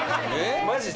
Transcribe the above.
マジで？